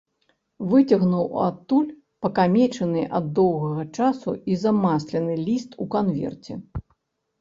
Выцягнуў адтуль пакамечаны ад доўгага часу і замаслены ліст у канверце.